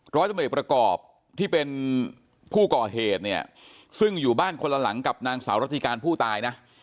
ร้อยตำรวจเอกประกอบที่เป็นผู้ก่อเหตุเนี่ยซึ่งอยู่บ้านคนละหลังกับนางสาวรัติการผู้ตายนะ